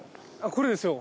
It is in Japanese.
これですよ。